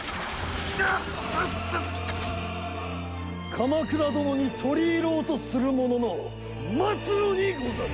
鎌倉殿に取り入ろうとする者の末路にござる！